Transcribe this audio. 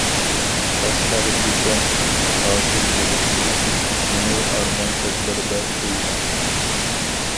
«قەشقەر» دېسەم، ھاسىل بولۇپ تىلىكىم، يېڭى ئارمان ئوتلىرىدا كۆيىمەن.